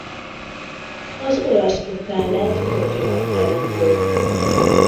Az olasz klubnál lett profi labdarúgó.